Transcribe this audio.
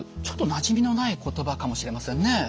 ちょっとなじみのない言葉かもしれませんね。